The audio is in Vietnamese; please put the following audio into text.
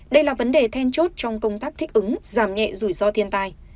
đây là vấn đề then chốt trong công tác thích ứng giảm nhẹ rủi ro thiên tai